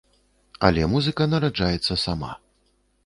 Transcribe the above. Але музыка нараджаецца сама.